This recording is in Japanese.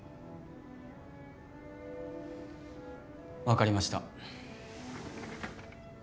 わかりました。